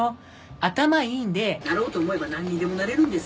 頭いいんでなろうと思えば何にでもなれるんです。